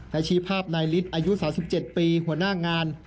และชี้ภาพนายฤทธิ์อายุ๓๗ปีหัวหน้างาน